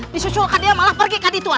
disusulkan dia malah pergi ke dituan